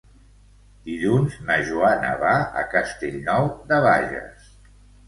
Dilluns na Joana va a Castellnou de Bages.